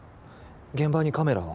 現場にカメラは？